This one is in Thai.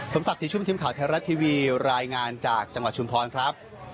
ศักดิ์ศรีชุ่มทีมข่าวไทยรัฐทีวีรายงานจากจังหวัดชุมพรครับ